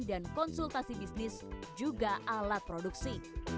pendampingan dan konsultasi bisnis juga alat produksi